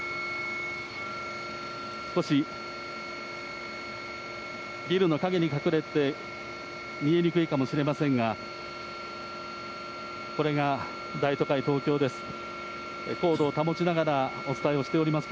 少しビルの陰に隠れて見えにくいかもしれませんが、これが大都会、東京です。